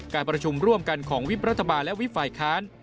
การประชุมร่วมกันของวิบรัฐบาลและวิบฝ่ายค้าน